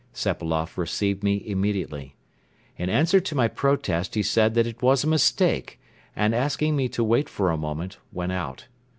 Sepailoff received me immediately. In answer to my protest he said that it was a mistake and, asking me to wait for a moment, went out.